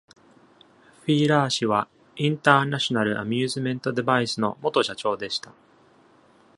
フィーラー氏は、インターナショナルアミューズメントデバイスの元社長でした。